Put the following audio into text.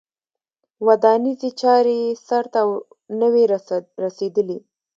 ودانیزې چارې یې سرته نه وې رسېدلې.